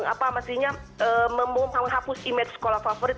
apa mestinya menghapus image sekolah favorit